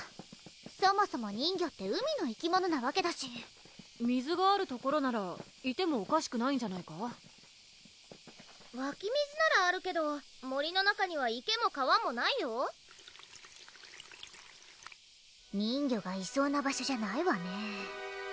そもそも人魚って海の生き物なわけだし水がある所ならいてもおかしくないんじゃないかわき水ならあるけど森の中には池も川もないよ人魚がいそうな場所じゃないわね